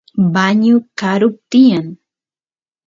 bañu karup tiyan